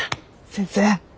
先生！